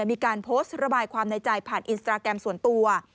มีการโพสต์ระบายความในใจผ่านอินสตราแกรมส่วนตัว